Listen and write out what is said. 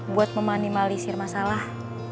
buat memanimalisir masalah